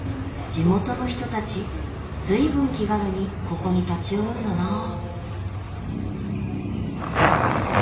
地元の人たち随分気軽にここに立ち寄るんだなあ。